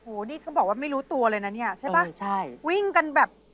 โอ้โหนี่เขาบอกว่าไม่รู้ตัวเลยนะเนี่ยใช่ป่ะใช่วิ่งกันแบบ